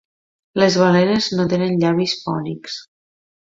Les balenes no tenen llavis fònics.